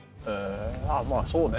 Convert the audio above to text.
まあそうね。